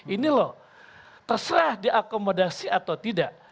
ini loh terserah diakomodasi atau tidak